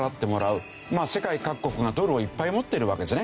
世界各国がドルをいっぱい持ってるわけですね。